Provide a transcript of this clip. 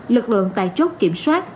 lực lượng tại chốt kiểm soát